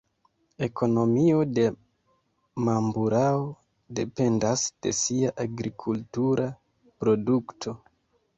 Ekonomio de Mamburao dependas de sia agrikultura produkto.